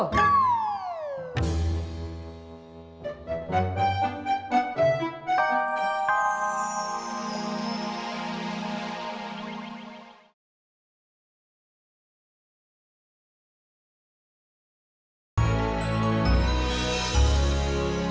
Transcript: dia dn gerak terus lanjut